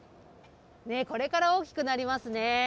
これから大きくなりますね。